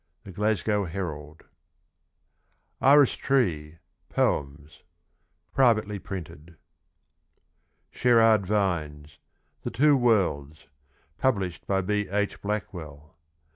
— TJie Glasgozo Herald. Iris Tree. POEMS. Privately printed. Sherard Vines. THE TWO WORLDS. Published by B. H. Blackwell.